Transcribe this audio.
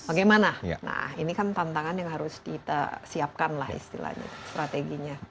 bagaimana nah ini kan tantangan yang harus kita siapkan lah istilahnya strateginya